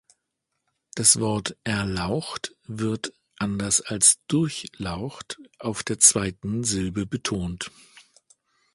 Das Wort „Erlaucht“ wird, anders als „Durchlaucht“, auf der zweiten Silbe betont.